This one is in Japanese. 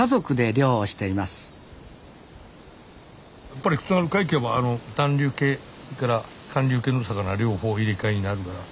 やっぱり津軽海峡は暖流系それから寒流系の魚両方入れ替えになるから。